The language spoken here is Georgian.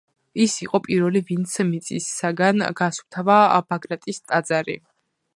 ის იყო პირველი ვინც მიწისაგან გაასუფთავა ბაგრატის ტაძარი.